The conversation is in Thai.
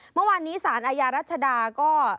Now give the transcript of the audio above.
เมื่อวานนี้สารอาญารัชดาก็